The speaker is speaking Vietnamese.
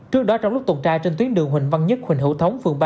trước đó trong lúc tuần tra trên tuyến đường huỳnh văn nhất huỳnh hữu thống phường ba